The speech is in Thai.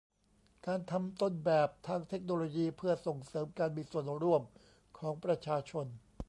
การทำต้นแบบทางเทคโนโลยีเพื่อส่งเสริมการมีส่วนร่วมของประชาชน